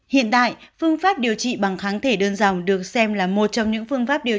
hiện tại phương pháp điều trị bằng kháng thể đơn giản được xem là một trong những phương pháp điều